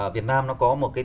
việt nam nó có một cái